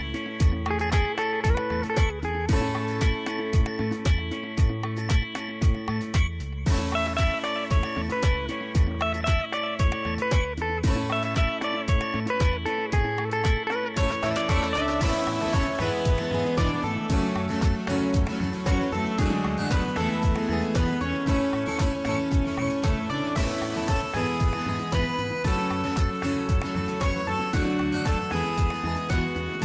โปรดติดตามตอนต่อไป